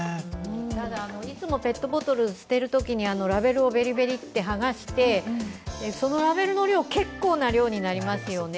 ただいつもペットボトルを捨てるときにラベルをベリベリと剥がしてそのラベルの量、結構な量になりますよね。